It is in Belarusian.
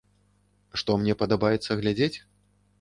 Што мне падабаецца глядзець?